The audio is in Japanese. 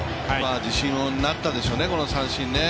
自信になったでしょうね、この三振。